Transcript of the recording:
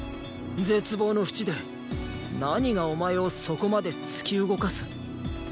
絶望の淵で何がお前をそこまで突き動かす。